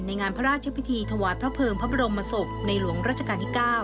งานพระราชพิธีถวายพระเภิงพระบรมศพในหลวงราชการที่๙